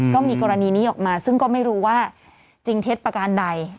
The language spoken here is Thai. ก็มีกรณีนี้ออกมาซึ่งก็ไม่รู้ว่าจริงเท็จประการใด